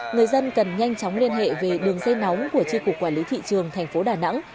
người dân cần nhanh chóng liên hệ về đường dây nóng của tri cục quản lý thị trường thành phố đà nẵng